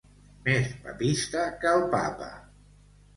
Més papista que el papa.